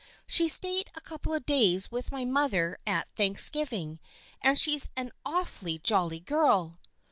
She stayed a couple of days with my mother at Thanksgiving, and she's an awfully jolly girl."